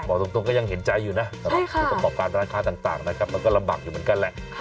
บอกตรงก็ยังเห็นใจอยู่นะในกระป๋อการราคาต่างแล้วก็ลำบากอยู่เหมือนกันแหละ